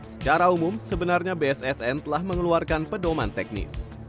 secara umum sebenarnya bssn telah mengeluarkan pedoman teknis